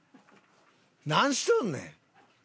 何しとんねん！